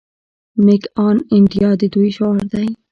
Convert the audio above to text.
میک ان انډیا د دوی شعار دی.